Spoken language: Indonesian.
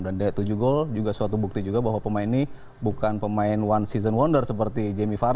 dan dia tujuh gol juga suatu bukti juga bahwa pemain ini bukan pemain one season wonder seperti jamie farr